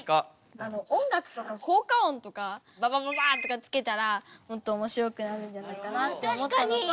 音楽とか効果音とか「ババババッ」とかつけたらもっとおもしろくなるんじゃないかなって思ったのと。